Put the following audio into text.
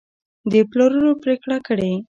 د پلورلو پرېکړه کړې